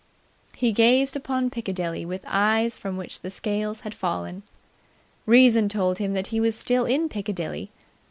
He gazed upon Piccadilly with eyes from which the scales had fallen. Reason told him that he was still in Piccadilly.